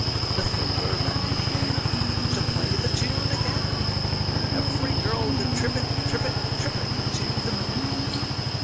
The fiddler then began To play the tune again; And every girl did trip it, trip it, Trip it to the men.